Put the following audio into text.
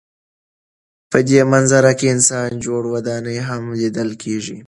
په دې منظره کې انسان جوړې ودانۍ هم لیدل کېږي.